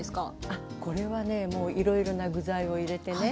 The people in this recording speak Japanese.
あっこれはねもういろいろな具材を入れてね